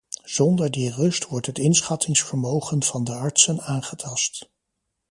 Zonder die rust wordt het inschattingsvermogen van de artsen aangetast.